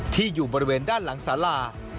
อยู่บริเวณด้านหลังสารา